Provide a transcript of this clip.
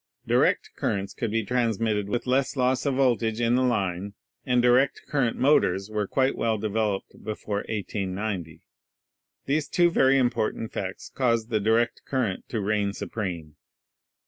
Direct currents could be transmitted with less loss of voltage in the line and direct current motors were quite well developed before 1890. These two very important facts caused the direct current to reign supreme.